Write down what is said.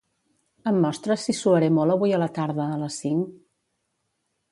Em mostres si suaré molt avui a la tarda, a les cinc?